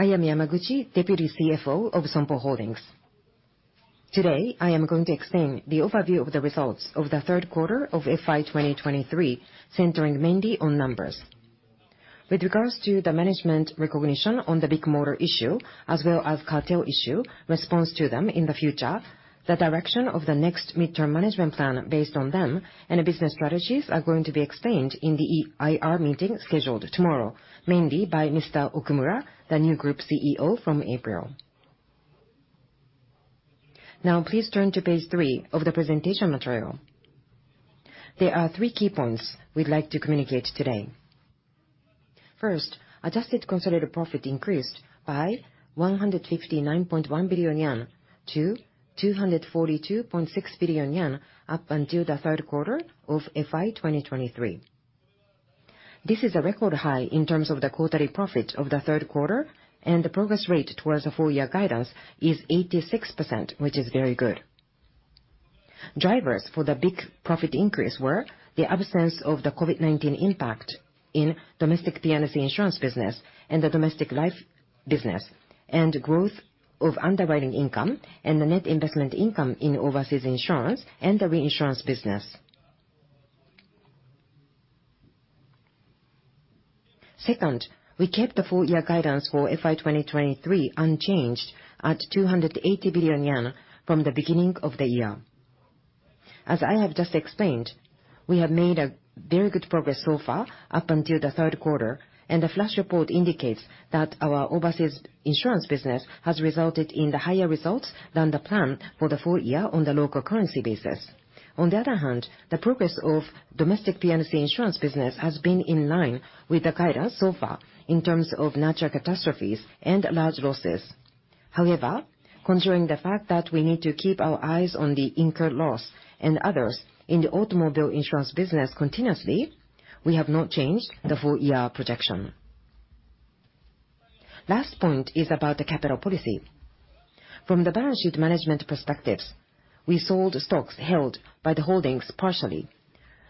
I am Yamaguchi, Deputy CFO of Sompo Holdings. Today, I am going to explain the overview of the results of the third quarter of FY 2023, centering mainly on numbers. With regards to the management recognition on the Bigmotor issue, as well as cartel issue, response to them in the future, the direction of the next midterm management plan based on them, and the business strategies are going to be explained in the IR meeting scheduled tomorrow, mainly by Mr. Okumura, the new Group CEO from April. Now, please turn to page three of the presentation material. There are three key points we'd like to communicate today. First, adjusted consolidated profit increased by 159.1 billion yen - 242.6 billion yen up until the third quarter of FY 2023. This is a record high in terms of the quarterly profit of the third quarter, and the progress rate towards the full year guidance is 86%, which is very good. Drivers for the big profit increase were the absence of the COVID-19 impact in domestic P&C insurance business and the domestic life business, and growth of underwriting income and the net investment income in overseas insurance and the reinsurance business. Second, we kept the full year guidance for FY 2023 unchanged at 280 billion yen from the beginning of the year. As I have just explained, we have made a very good progress so far up until the third quarter, and the flash report indicates that our overseas insurance business has resulted in the higher results than the plan for the full year on the local currency basis. On the other hand, the progress of domestic P&C insurance business has been in line with the guidance so far in terms of natural catastrophes and large losses. However, considering the fact that we need to keep our eyes on the incurred loss and others in the automobile insurance business continuously, we have not changed the full year projection. Last point is about the capital policy. From the balance sheet management perspectives, we sold stocks held by the holdings partially,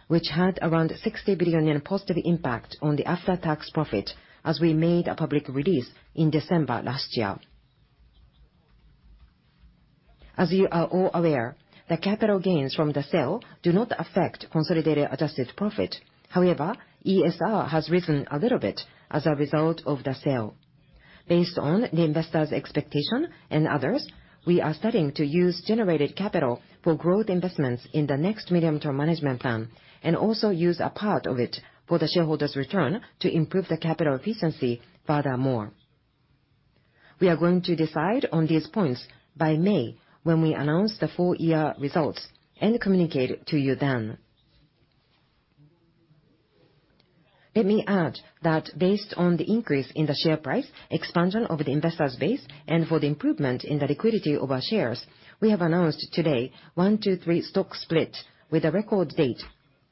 which had around 60 billion yen in positive impact on the after-tax profit as we made a public release in December last year. As you are all aware, the capital gains from the sale do not affect consolidated adjusted profit. However, ESR has risen a little bit as a result of the sale. Based on the investors' expectation and others, we are studying to use generated capital for growth investments in the next medium-term management plan, and also use a part of it for the shareholders' return to improve the capital efficiency furthermore. We are going to decide on these points by May, when we announce the full year results and communicate to you then. Let me add that based on the increase in the share price, expansion of the investors' base, and for the improvement in the liquidity of our shares, we have announced today a one to three stock split with a record date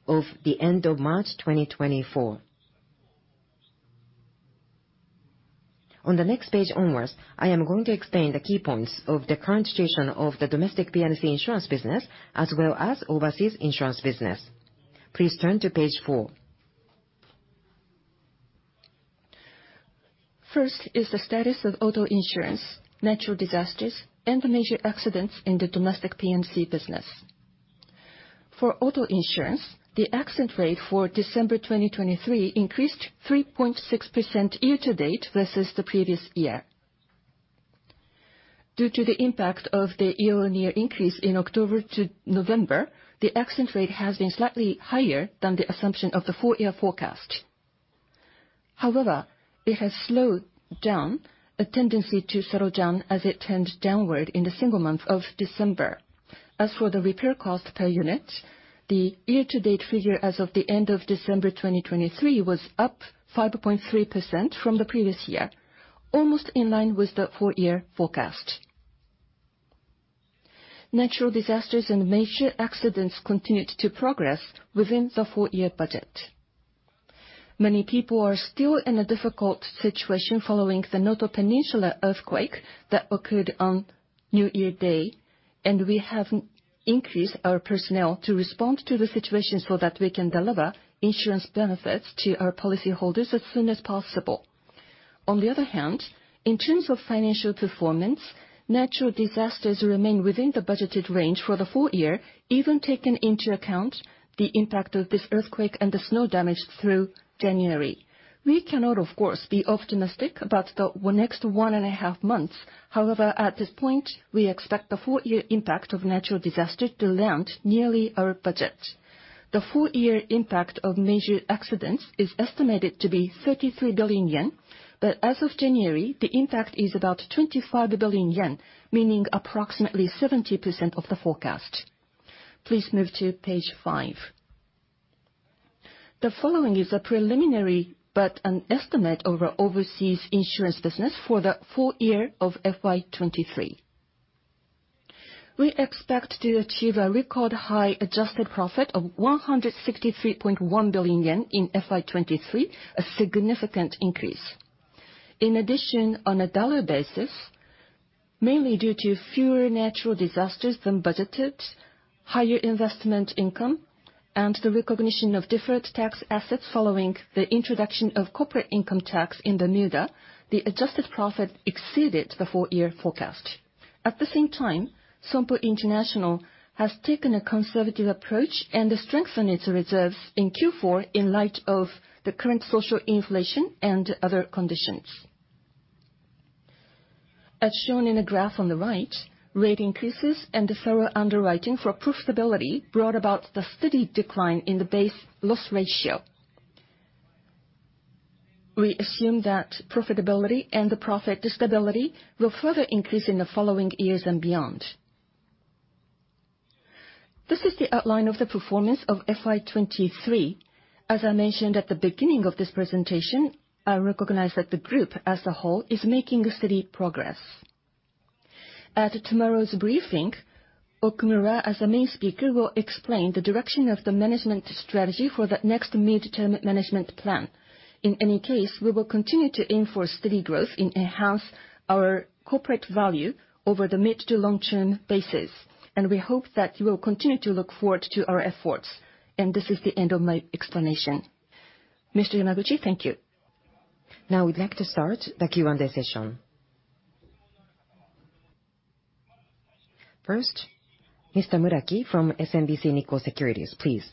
of the end of March 2024. On the next page onwards, I am going to explain the key points of the current situation of the domestic P&C insurance business, as well as overseas insurance business. Please turn to page four. First is the status of auto insurance, natural disasters, and the major accidents in the domestic P&C business. For auto insurance, the accident rate for December 2023 increased 3.6% year to date versus the previous year. Due to the impact of the year-on-year increase in October to November, the accident rate has been slightly higher than the assumption of the full year forecast. However, it has slowed down, a tendency to slow down as it turned downward in the single month of December. As for the repair cost per unit, the year-to-date figure as of the end of December 2023 was up 5.3% from the previous year, almost in line with the full year forecast. Natural disasters and major accidents continued to progress within the full year budget. Many people are still in a difficult situation following the Noto Peninsula earthquake that occurred on New Year's Day, and we have increased our personnel to respond to the situation so that we can deliver insurance benefits to our policyholders as soon as possible. On the other hand, in terms of financial performance, natural disasters remain within the budgeted range for the full year, even taking into account the impact of this earthquake and the snow damage through January. We cannot, of course, be optimistic about the next one and a half months. However, at this point, we expect the full year impact of natural disaster to land nearly our budget. The full year impact of major accidents is estimated to be 33 billion yen, but as of January, the impact is about 25 billion yen, meaning approximately 70% of the forecast. Please move to page five. The following is a preliminary, but an estimate of our overseas insurance business for the full year of FY 2023. We expect to achieve a record high adjusted profit of 163.1 billion yen in FY 2023, a significant increase. In addition, on a dollar basis, mainly due to fewer natural disasters than budgeted, higher investment income, and the recognition of deferred tax assets following the introduction of corporate income tax in Bermuda, the adjusted profit exceeded the full year forecast. At the same time, Sompo International has taken a conservative approach and strengthened its reserves in Q4 in light of the current social inflation and other conditions. As shown in the graph on the right, rate increases and the thorough underwriting for profitability brought about the steady decline in the base loss ratio. We assume that profitability and the profit stability will further increase in the following years and beyond. This is the outline of the performance of FY 2023. As I mentioned at the beginning of this presentation, I recognize that the group as a whole is making steady progress. At tomorrow's briefing, Okumura, as the main speaker, will explain the direction of the management strategy for the next mid-term management plan. In any case, we will continue to aim for steady growth and enhance our corporate value over the mid- to long-term basis, and we hope that you will continue to look forward to our efforts. This is the end of my explanation. Mr. Yamaguchi, thank you. Now we'd like to start the Q&A session. First, Mr. Muraki from SMBC Nikko Securities, please.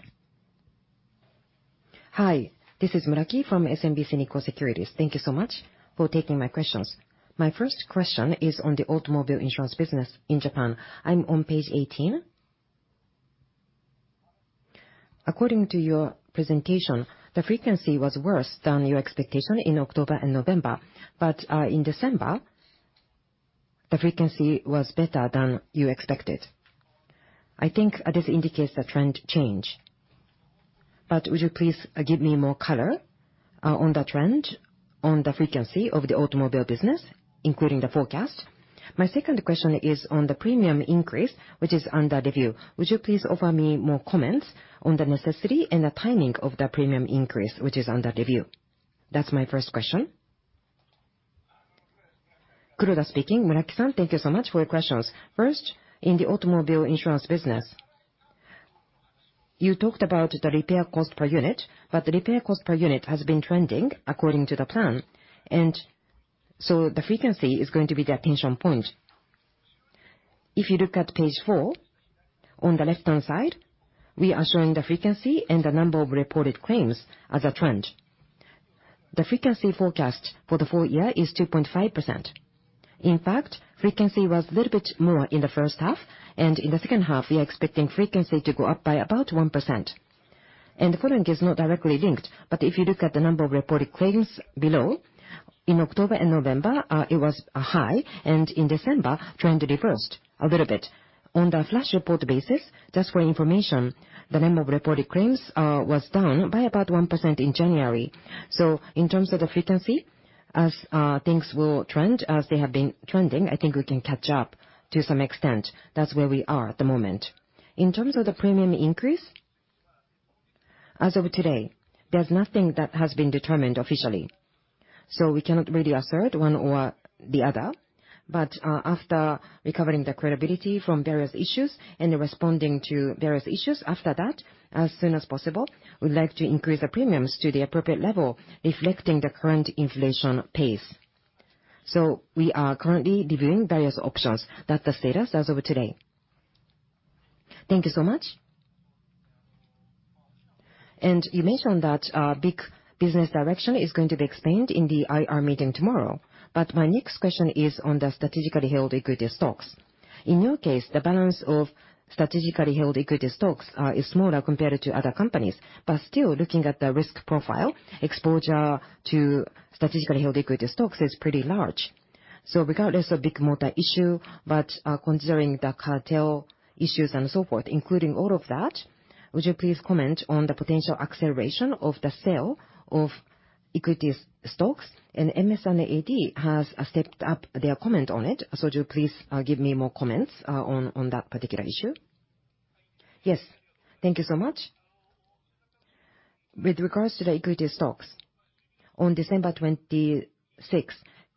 Hi, this is Muraki from SMBC Nikko Securities. Thank you so much for taking my questions.My first question is on the automobile insurance business in Japan. I'm on page 18. According to your presentation, the frequency was worse than your expectation in October and November, but in December, the frequency was better than you expected. I think this indicates a trend change, but would you please give me more color on the trend on the frequency of the automobile business, including the forecast? My second question is on the premium increase, which is under review. Would you please offer me more comments on the necessity and the timing of the premium increase, which is under review? That's my first question. Kuroda speaking. Muraki-san, thank you so much for your questions. First, in the automobile insurance business, you talked about the repair cost per unit, but the repair cost per unit has been trending according to the plan, and so the frequency is going to be the attention point. If you look at page four, on the left-hand side, we are showing the frequency and the number of reported claims as a trend. The frequency forecast for the full year is 2.5%. In fact, frequency was a little bit more in the first half, and in the second half, we are expecting frequency to go up by about 1%. The following is not directly linked, but if you look at the number of reported claims below, in October and November, it was high, and in December, trend reversed a little bit. On the flash report basis, just for your information, the number of reported claims was down by about 1% in January. So in terms of the frequency, as things will trend as they have been trending, I think we can catch up to some extent. That's where we are at the moment. In terms of the premium increase, as of today, there's nothing that has been determined officially, so we cannot really assert one or the other. But after recovering the credibility from various issues and responding to various issues, after that, as soon as possible, we'd like to increase the premiums to the appropriate level, reflecting the current inflation pace. So we are currently reviewing various options. That's the status as of today. Thank you so much. You mentioned that, big business direction is going to be explained in the IR meeting tomorrow, but my next question is on the Strategically Held Equity Stocks. In your case, the balance of Strategically Held Equity Stocks is smaller compared to other companies, but still, looking at the risk profile, exposure to Strategically Held Equity Stocks is pretty large. So regardless of big motor issue, but, considering the cartel issues and so forth, including all of that, would you please comment on the potential acceleration of the sale of equities stocks? And MS and AD has stepped up their comment on it, so would you please, give me more comments, on, on that particular issue? Yes. Thank you so much. With regards to the equity stocks, on December 26th,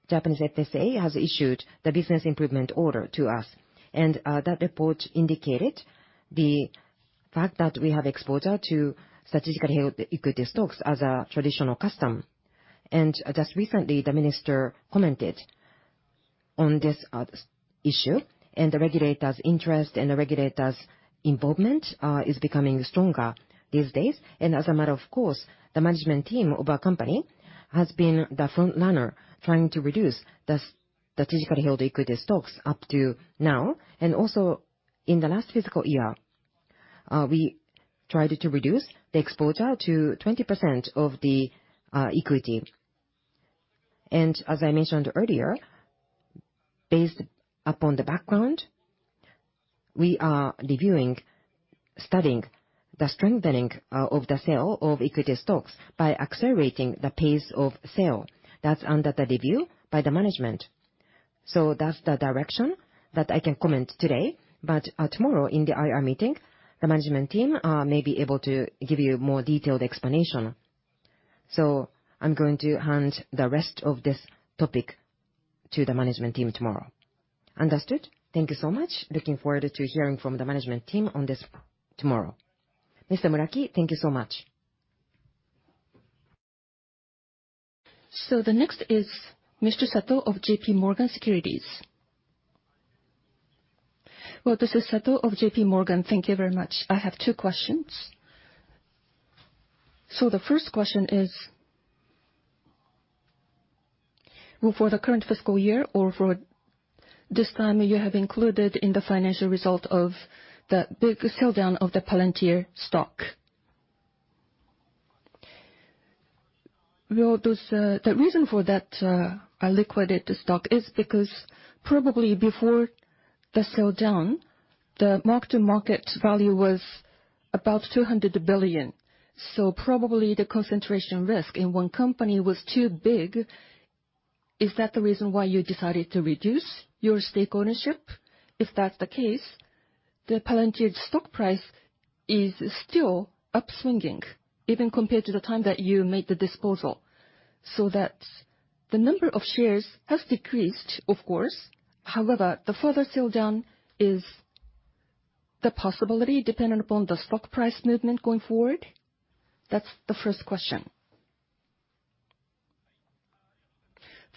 Japanese FSA has issued the business improvement order to us, and that report indicated the fact that we have exposure to strategically held equity stocks as a traditional custom. Just recently, the minister commented on this issue, and the regulators' interest and the regulators' involvement is becoming stronger these days. As a matter of course, the management team of our company has been the front runner trying to reduce the strategically held equity stocks up to now. Also, in the last fiscal year, we tried to reduce the exposure to 20% of the equity. As I mentioned earlier, based upon the background, we are reviewing, studying the strengthening of the sale of equity stocks by accelerating the pace of sale. That's under the review by the management. So that's the direction that I can comment today, but tomorrow, in the IR meeting, the management team may be able to give you more detailed explanation. So I'm going to hand the rest of this topic to the management team tomorrow. Understood. Thank you so much. Looking forward to hearing from the management team on this tomorrow. Mr. Muraki, thank you so much. So the next is Mr. Sato of JPMorgan Securities. Well, this is Sato of JPMorgan. Thank you very much. I have two questions. So the first question is: well, for the current fiscal year or for this time, you have included in the financial result of the big sell-down of the Palantir stock. Well, those, the reason for that, I liquidated the stock is because probably before the sell-down, the mark-to-market value was about 200 billion, so probably the concentration risk in one company was too big. Is that the reason why you decided to reduce your stake ownership? If that's the case, the Palantir stock price is still upswinging, even compared to the time that you made the disposal. So that the number of shares has decreased, of course. However, the further sell-down is the possibility, dependent upon the stock price movement going forward? That's the first question.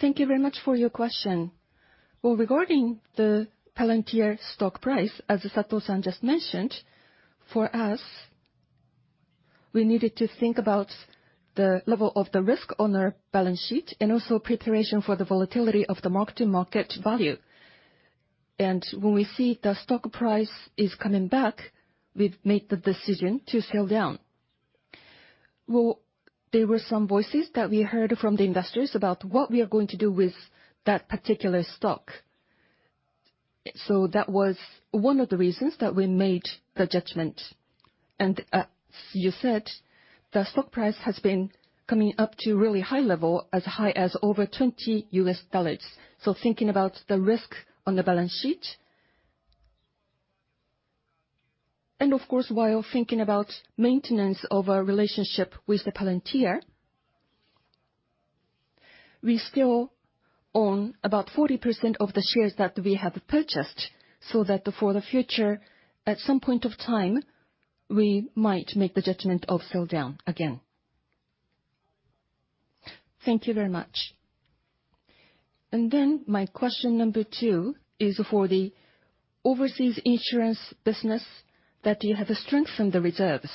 Thank you very much for your question. Well, regarding the Palantir stock price, as Sato-san just mentioned, for us, we needed to think about the level of the risk on our balance sheet and also preparation for the volatility of the mark-to-market value. And when we see the stock price is coming back, we've made the decision to sell down. Well, there were some voices that we heard from the investors about what we are going to do with that particular stock. So that was one of the reasons that we made the judgment. And as you said, the stock price has been coming up to really high level, as high as over $20. So thinking about the risk on the balance sheet, and of course, while thinking about maintenance of our relationship with the Palantir, we still own about 40% of the shares that we have purchased, so that for the future, at some point of time, we might make the judgment of sell down again. Thank you very much. And then my question number two is for the overseas insurance business that you have strengthened the reserves.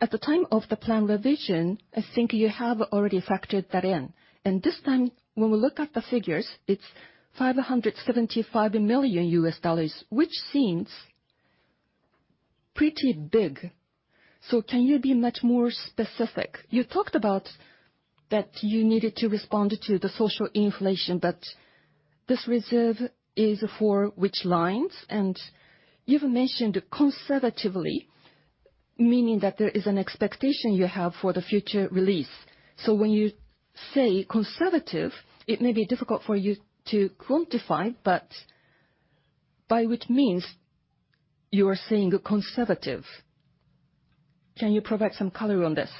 At the time of the plan revision, I think you have already factored that in, and this time, when we look at the figures, it's $575 million, which seems pretty big. So can you be much more specific? You talked about that you needed to respond to the social inflation, but this reserve is for which lines? You've mentioned conservatively, meaning that there is an expectation you have for the future release. So when you say conservative, it may be difficult for you to quantify, but by which means you are saying conservative? Can you provide some color on this?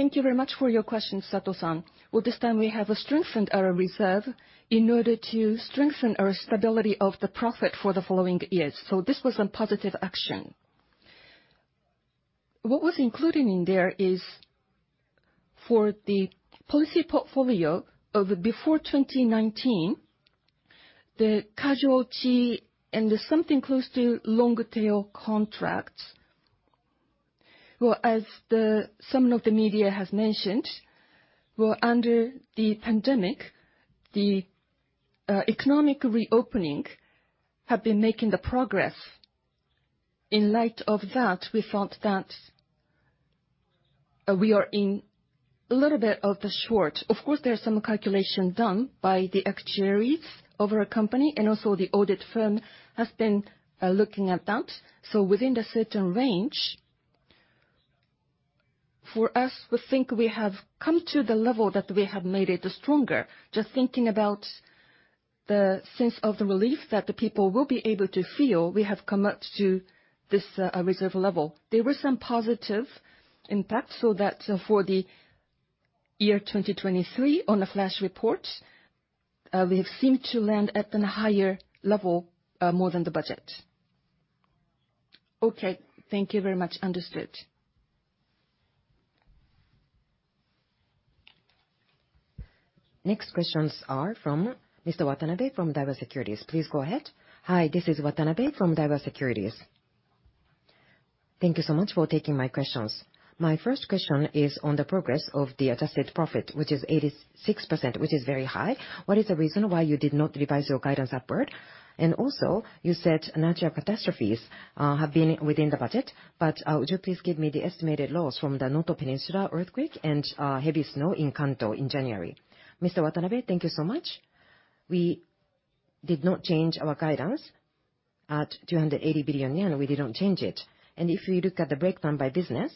Thank you very much for your question, Sato-san. Well, this time we have strengthened our reserve in order to strengthen our stability of the profit for the following years, so this was a positive action. What was included in there is for the policy portfolio of before 2019, the casualty and something close to longer-tail contracts. Well, as some of the media has mentioned, well, under the pandemic, the economic reopening have been making the progress. In light of that, we thought that we are in a little bit of the short. Of course, there are some calculations done by the actuaries of our company, and also the audit firm has been looking at that. So within the certain range, for us, we think we have come to the level that we have made it stronger. Just thinking about the sense of the relief that the people will be able to feel, we have come up to this reserve level. There were some positive impacts, so that for the year 2023, on the flash report, we have seemed to land at a higher level, more than the budget. Okay. Thank you very much. Understood. Next questions are from Mr. Watanabe from Daiwa Securities. Please go ahead. Hi, this is Watanabe from Daiwa Securities. Thank you so much for taking my questions. My first question is on the progress of the adjusted profit, which is 86%, which is very high. What is the reason why you did not revise your guidance upward? And also, you said natural catastrophes have been within the budget, but would you please give me the estimated loss from the Noto Peninsula earthquake and heavy snow in Kanto in January? Mr. Watanabe, thank you so much. We did not change our guidance at 280 billion yen. We didn't change it. And if you look at the breakdown by business,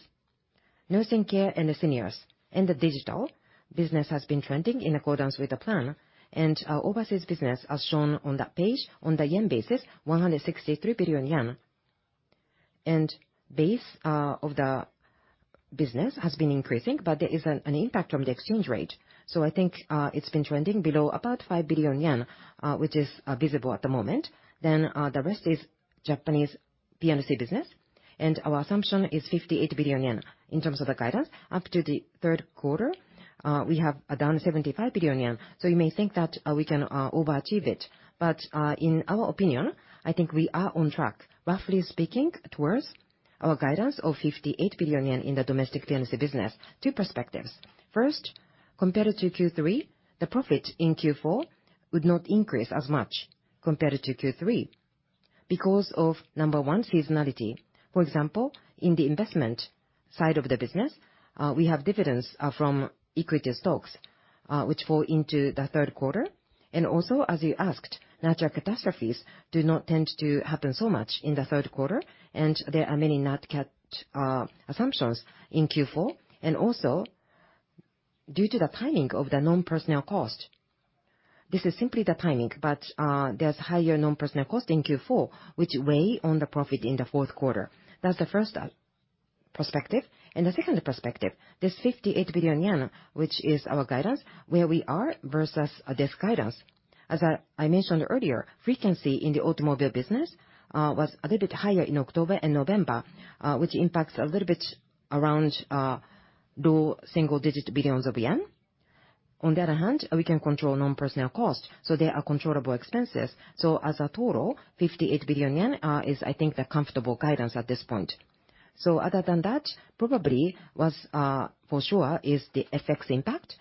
nursing care and the seniors, and the digital business has been trending in accordance with the plan. Our overseas business, as shown on that page, on the yen basis, 163 billion yen, and the base of the business has been increasing, but there is an impact from the exchange rate. So I think, it's been trending below about 5 billion yen, which is visible at the moment. Then, the rest is Japanese P&C business, and our assumption is 58 billion yen in terms of the guidance. Up to the third quarter, we have down 75 billion yen. So you may think that, we can overachieve it, but, in our opinion, I think we are on track, roughly speaking, towards our guidance of 58 billion yen in the domestic P&C business. Two perspectives: first, compared to Q3, the profit in Q4 would not increase as much compared to Q3 because of, number one, seasonality. For example, in the investment side of the business, we have dividends from equity stocks, which fall into the third quarter. Also, as you asked, natural catastrophes do not tend to happen so much in the third quarter, and there are many non-cat assumptions in Q4, and also, due to the timing of the non-personnel cost. This is simply the timing, but there's higher non-personnel cost in Q4, which weigh on the profit in the fourth quarter. That's the first perspective. The second perspective, this 58 billion yen, which is our guidance, where we are versus this guidance. As I mentioned earlier, frequency in the automobile business was a little bit higher in October and November, which impacts a little bit around low single-digit billions of JPY. On the other hand, we can control non-personnel costs, so they are controllable expenses. So as a total, 58 billion yen is, I think, the comfortable guidance at this point. So other than that, probably, what's for sure, is the FX impact.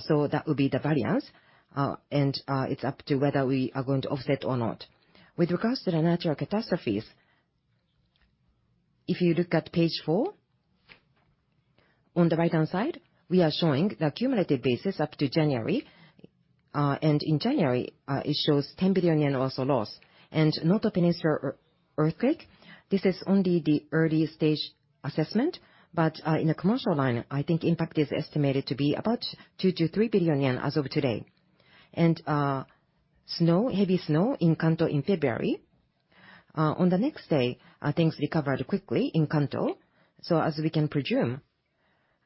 So that would be the variance, and it's up to whether we are going to offset or not. With regards to the natural catastrophes, if you look at page four, on the right-hand side, we are showing the cumulative basis up to January, and in January, it shows 10 billion yen also loss. And Noto Peninsula earthquake, this is only the early stage assessment, but, in a commercial line, I think impact is estimated to be about 2 billion-3 billion yen as of today. Snow, heavy snow in Kanto in February, on the next day, things recovered quickly in Kanto. So as we can presume,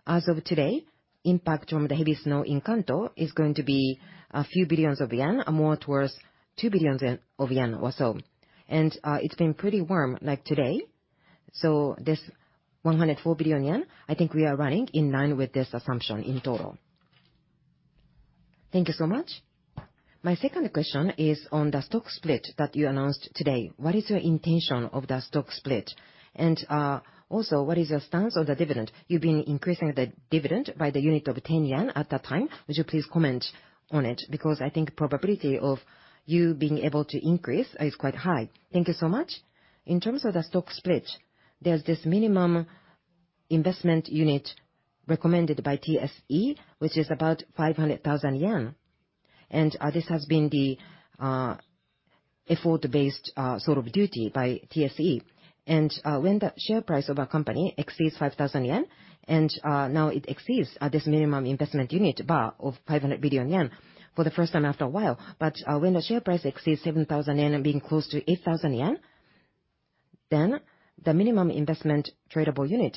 as of today, impact from the heavy snow in Kanto is going to be a few billion JPY, more towards 2 billion yen or so. It's been pretty warm, like today, so this 104 billion yen, I think we are running in line with this assumption in total. Thank you so much. My second question is on the stock split that you announced today. What is your intention of the stock split? And, also, what is your stance on the dividend? You've been increasing the dividend by the unit of 10 yen at that time. Would you please comment on it? Because I think probability of you being able to increase is quite high. Thank you so much. In terms of the stock split, there's this minimum investment unit recommended by TSE, which is about 500,000 yen, and this has been the effort-based sort of duty by TSE. And when the share price of a company exceeds 5,000 yen, and now it exceeds this minimum investment unit bar of 500 billion yen for the first time after a while. But when the share price exceeds 7,000 yen and being close to 8,000 yen, then the minimum investment tradable unit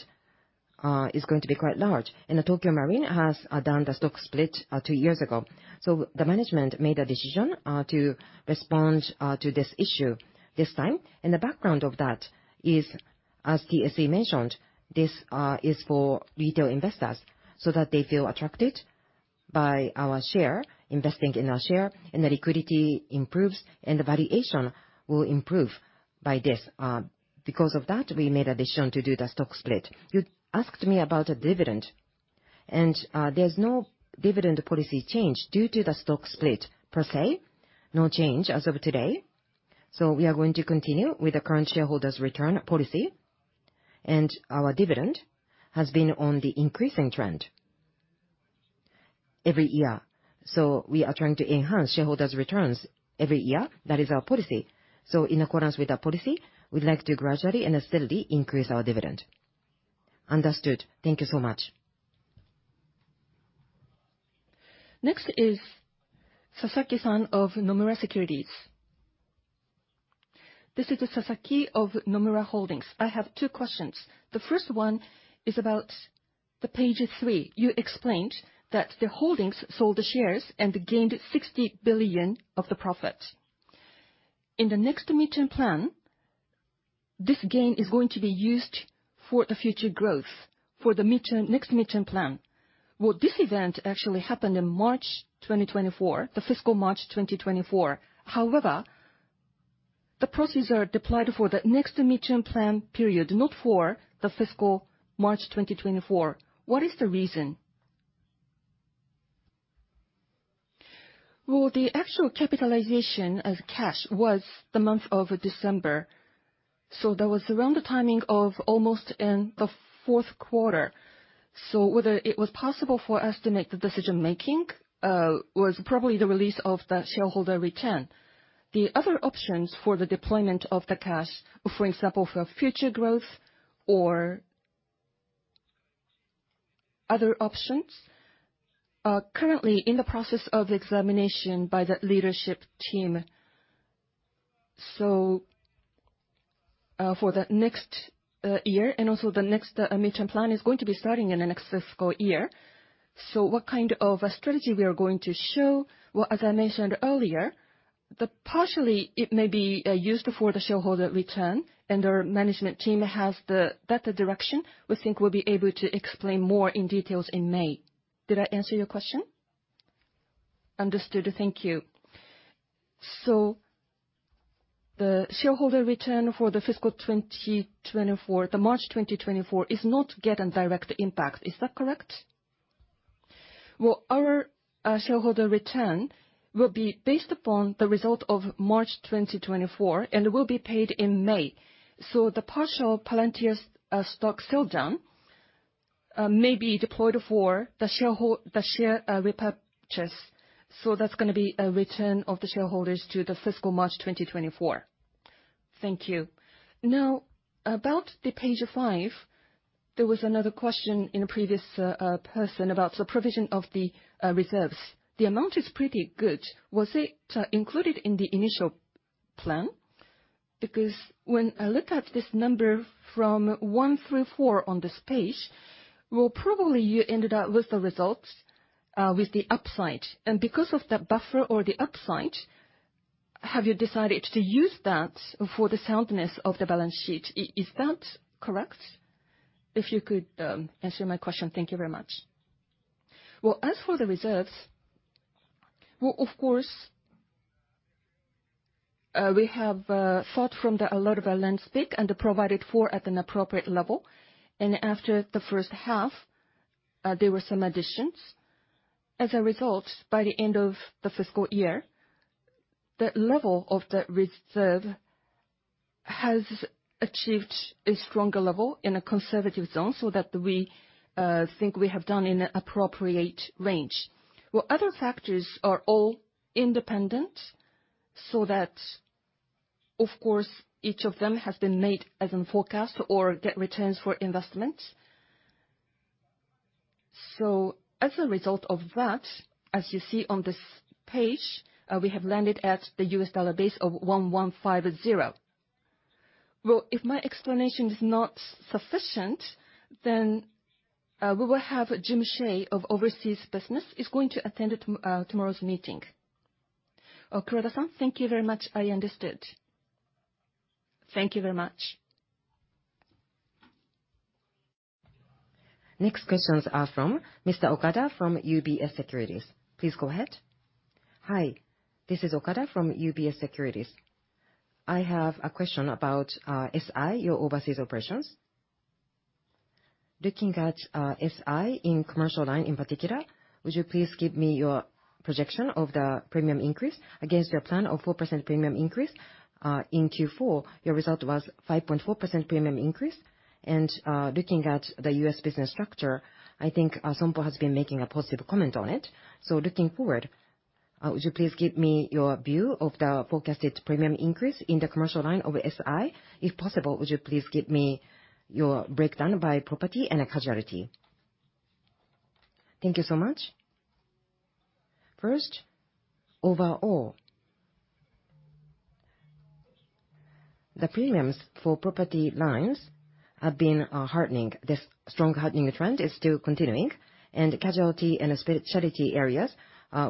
is going to be quite large. And the Tokyo Marine has done the stock split two years ago. So the management made a decision to respond to this issue this time. The background of that is, as TSE mentioned, this is for retail investors, so that they feel attracted by our share, investing in our share, and the liquidity improves, and the valuation will improve by this. Because of that, we made a decision to do the stock split. You asked me about a dividend, and there's no dividend policy change due to the stock split per se, no change as of today. So we are going to continue with the current shareholders' return policy, and our dividend has been on the increasing trend every year. So we are trying to enhance shareholders' returns every year. That is our policy. So in accordance with that policy, we'd like to gradually and steadily increase our dividend. Understood. Thank you so much. Next is Sasaki-san of Nomura Securities. This is Sasaki of Nomura Holdings. I have two questions. The first one is about the page three. You explained that the holdings sold the shares and gained 60 billion of the profit. In the next midterm plan, this gain is going to be used for the future growth for the midterm, next midterm plan. Well, this event actually happened in March 2024, the fiscal March 2024. However, the proceeds are deployed for the next midterm plan period, not for the fiscal March 2024. What is the reason? Well, the actual capitalization as cash was the month of December, so that was around the timing of almost in the fourth quarter. So whether it was possible for us to make the decision-making was probably the release of the shareholder return. The other options for the deployment of the cash, for example, for future growth or other options are currently in the process of examination by the leadership team. So, for the next year, and also the next mid-term plan is going to be starting in the next fiscal year. So what kind of a strategy we are going to show? Well, as I mentioned earlier, the partially it may be used for the shareholder return, and our management team has the better direction. We think we'll be able to explain more in details in May. Did I answer your question? Understood. Thank you. So the shareholder return for the fiscal 2024, the March 2024, is not getting direct impact, is that correct? Well, our shareholder return will be based upon the result of March 2024, and will be paid in May. So the partial Palantir's stock sell-down may be deployed for the share repurchase. So that's gonna be a return of the shareholders to the fiscal March 2024. Thank you. Now, about page 5, there was another question in a previous person about the provision of the reserves. The amount is pretty good. Was it included in the initial plan? Because when I look at this number from one through four on this page, well, probably you ended up with the results with the upside. And because of the buffer or the upside, have you decided to use that for the soundness of the balance sheet? Is that correct? If you could answer my question, thank you very much. Well, as for the reserves, well, of course, we have thought from a lot of lenses and provided for at an appropriate level, and after the first half, there were some additions. As a result, by the end of the fiscal year, the level of the reserve has achieved a stronger level in a conservative zone, so that we think we have done in an appropriate range. Well, other factors are all independent, so that, of course, each of them has been made as in forecast or get returns for investment. So as a result of that, as you see on this page, we have landed at the U.S. dollar base of $1,150. Well, if my explanation is not sufficient, then we will have Jim Shea of Overseas Business is going to attend tomorrow's meeting. Oh, Kuroda-san, thank you very much. I understood. Thank you very much. Next questions are from Mr. Okada from UBS Securities. Please go ahead. Hi, this is Okada from UBS Securities. I have a question about, SI, your overseas operations. Looking at, SI in commercial line in particular, would you please give me your projection of the premium increase against your plan of 4% premium increase? In Q4, your result was 5.4% premium increase. And, looking at the U.S. business structure, I think Sompo has been making a positive comment on it. So looking forward, would you please give me your view of the forecasted premium increase in the commercial line of SI? If possible, would you please give me your breakdown by property and casualty? Thank you so much. First, overall, the premiums for property lines have been, hardening. This strong hardening trend is still continuing, and casualty and specialty areas,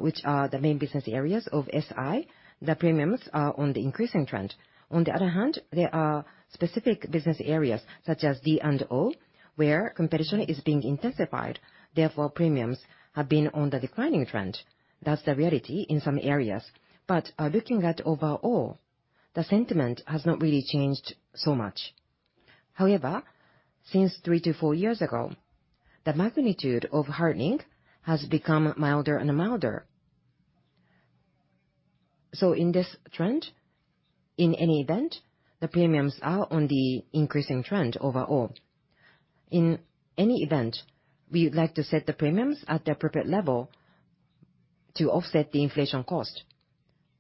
which are the main business areas of SI, the premiums are on the increasing trend. On the other hand, there are specific business areas such as D&O, where competition is being intensified, therefore, premiums have been on the declining trend. That's the reality in some areas. But, looking at overall, the sentiment has not really changed so much. However, since three to four years ago, the magnitude of hardening has become milder and milder. So in this trend, in any event, the premiums are on the increasing trend overall. In any event, we would like to set the premiums at the appropriate level to offset the inflation cost.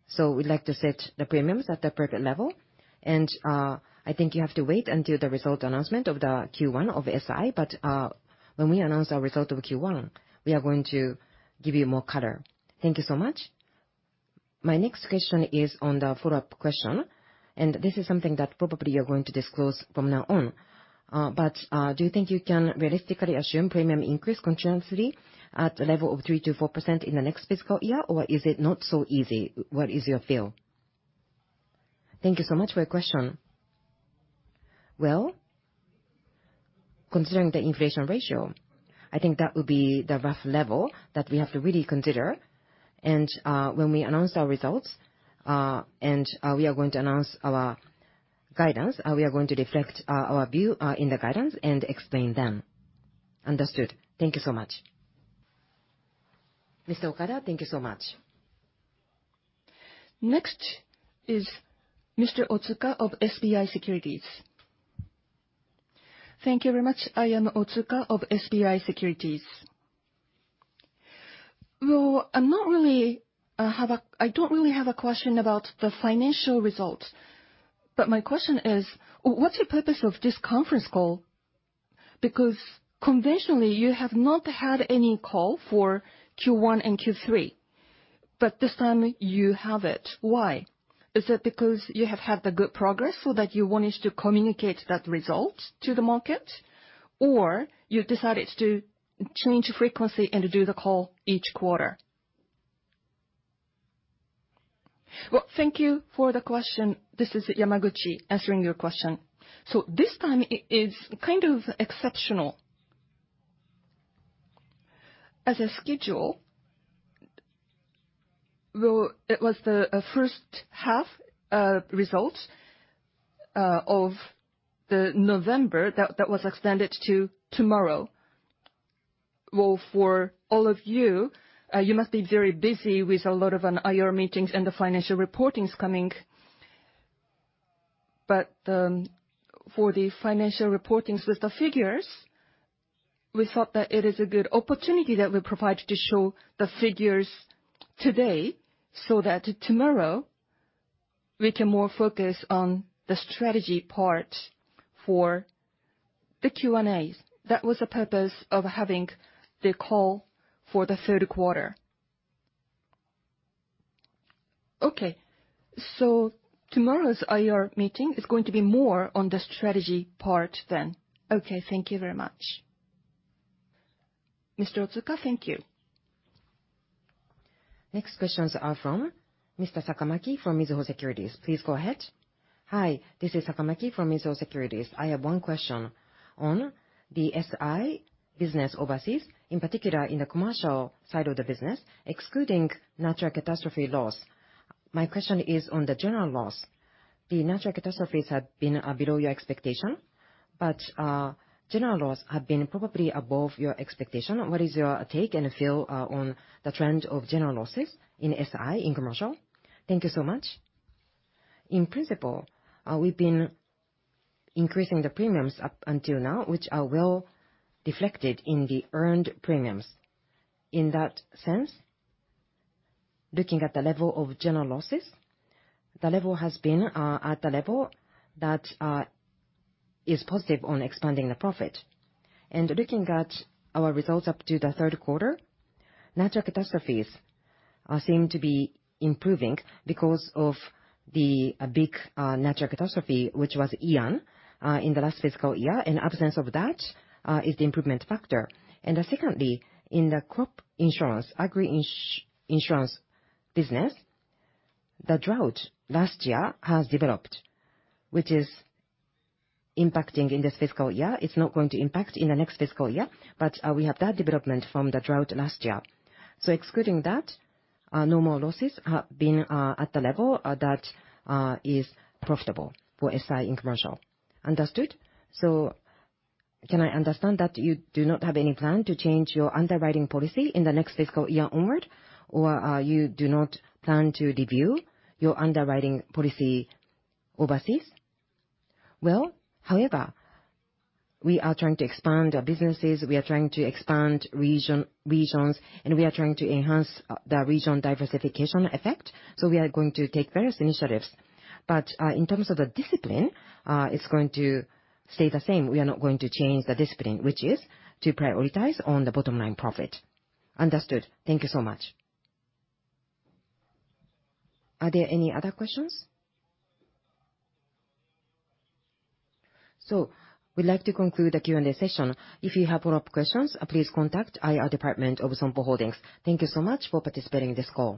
So we'd like to set the premiums at the appropriate level, and, I think you have to wait until the result announcement of the Q1 of SI. But, when we announce our result of Q1, we are going to give you more color. Thank you so much. My next question is on the follow-up question, and this is something that probably you're going to disclose from now on. But, do you think you can realistically assume premium increase continuously at a level of 3%-4% in the next fiscal year, or is it not so easy? What is your feel? Thank you so much for your question. Well, considering the inflation ratio, I think that would be the rough level that we have to really consider. When we announce our results, we are going to announce our guidance. We are going to reflect our view in the guidance and explain them. Understood.Thank you so much. Mr. Okada, thank you so much. Next is Mr. Otsuka of SBI Securities. Thank you very much. I am Otsuka of SBI Securities. Well, I'm not really, I don't really have a question about the financial results, but my question is, what's the purpose of this conference call? Because conventionally, you have not had any call for Q1 and Q3, but this time you have it. Why? Is it because you have had the good progress so that you wanted to communicate that result to the market? Or you decided to change frequency and do the call each quarter? Well, thank you for the question. This is Yamaguchi answering your question. So this time, it is kind of exceptional. As a schedule, well, it was the first half result of the November that was extended to tomorrow. Well, for all of you, you must be very busy with a lot of an IR meetings and the financial reportings coming. But, for the financial reportings with the figures, we thought that it is a good opportunity that we provide to show the figures today, so that tomorrow, we can more focus on the strategy part for the Q&As. That was the purpose of having the call for the third quarter. Okay. So tomorrow's IR meeting is going to be more on the strategy part then. Okay, thank you very much. Mr. Otsuka, thank you. Next questions are from Mr. Sakamaki, from Mizuho Securities. Please go ahead. Hi, this is Sakamaki from Mizuho Securities. I have one question on the SI business overseas, in particular in the commercial side of the business, excluding natural catastrophe loss. My question is on the general loss. The natural catastrophes have been below your expectation, but general loss have been probably above your expectation. What is your take and feel on the trend of general losses in SI, in commercial? Thank you so much. In principle, we've been increasing the premiums up until now, which are well reflected in the earned premiums. In that sense, looking at the level of general losses, the level has been at a level that is positive on expanding the profit. And looking at our results up to the third quarter, natural catastrophes seem to be improving because of the big natural catastrophe, which was Ian, in the last fiscal year, and absence of that is the improvement factor. And secondly, in the crop insurance, agri insurance business, the drought last year has developed, which is impacting in this fiscal year. It's not going to impact in the next fiscal year, but we have that development from the drought last year. So excluding that, normal losses have been at the level that is profitable for SI in commercial. Understood. So can I understand that you do not have any plan to change your underwriting policy in the next fiscal year onward, or you do not plan to review your underwriting policy overseas? Well, however, we are trying to expand our businesses, we are trying to expand region, regions, and we are trying to enhance the region diversification effect, so we are going to take various initiatives. But in terms of the discipline, it's going to stay the same. We are not going to change the discipline, which is to prioritize on the bottom line profit. Understood. Thank you so much. Are there any other questions? So we'd like to conclude the Q&A session. If you have follow-up questions, please contact IR department of Sompo Holdings. Thank you so much for participating in this call.